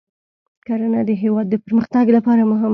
کرنه د هیواد د پرمختګ لپاره مهمه ده.